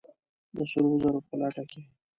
د سرو زرو په لټه کې!